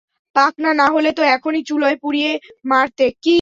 পাকনা না হলে তো এখনই চুলোয় পুড়িয়ে মারতে।